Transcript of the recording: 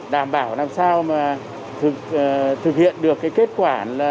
đảm bảo làm sao mà thực hiện được kết quả